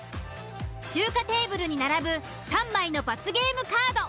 中華テーブルに並ぶ３枚の罰ゲームカード。